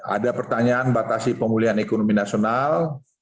ada pertanyaan batasi pemulihan ekonomi nasional